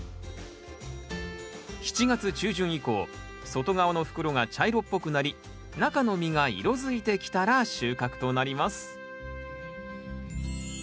７月中旬以降外側の袋が茶色っぽくなり中の実が色づいてきたら収穫となります